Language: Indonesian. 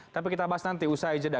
tapi kita bahas nanti usaha ijadah